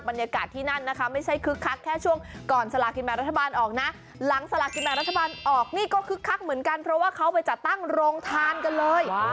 บรรยากาศที่นั่นนะคะไม่ใช่คึกคักแค่ช่วงก่อนสลากินแบบรัฐบาลออกนะหลังสลากกินแบ่งรัฐบาลออกนี่ก็คึกคักเหมือนกันเพราะว่าเขาไปจัดตั้งโรงทานกันเลย